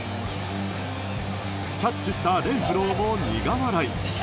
キャッチしたレンフローも苦笑い。